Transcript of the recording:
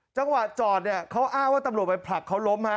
จังหวะจอดเขาอ้าวว่าตำรวจไปผลักเขาล้ม